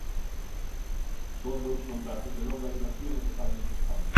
Son dous contratos de longa duración e totalmente estables.